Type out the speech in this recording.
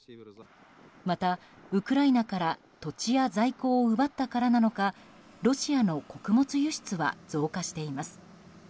また、ウクライナから土地や在庫を奪ったからなのかロシアの穀物輸出は増加しています。